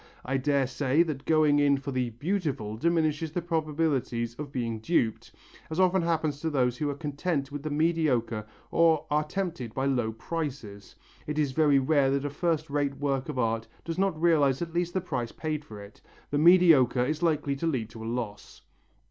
I dare say that going in for the beautiful diminishes the probabilities of being duped, as often happens to those who are content with the mediocre or are tempted by low prices. It is very rare that a first rate work of art does not realize at least the price paid for it. The mediocre is likely to lead to a loss."